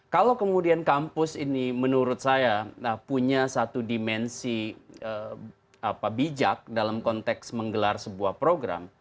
kalau kemudian kampus ini menurut saya punya satu dimensi bijak dalam konteks menggelar sebuah program